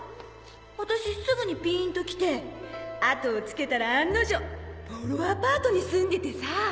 私すぐにピンときて後をつけたら案の定ボロアパートに住んでてさ！